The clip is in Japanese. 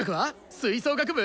吹奏楽部？